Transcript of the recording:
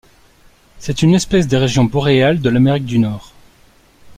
C'est une espèce des régions boréales de l'Amérique du Nord.